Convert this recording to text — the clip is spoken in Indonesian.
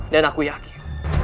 dan aku yakin